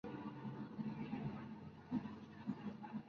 A ella se accede por transbordador.